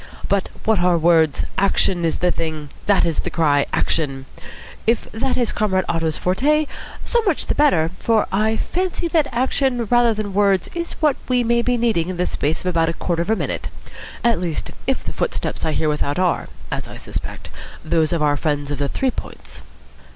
But what are words? Action is the thing. That is the cry. Action. If that is Comrade Otto's forte, so much the better, for I fancy that action rather than words is what we may be needing in the space of about a quarter of a minute. At least, if the footsteps I hear without are, as I suspect, those of our friends of the Three Points."